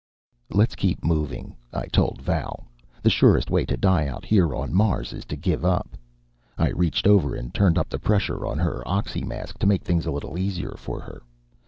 _ "Let's keep moving," I told Val. "The surest way to die out here on Mars is to give up." I reached over and turned up the pressure on her oxymask to make things a little easier for her.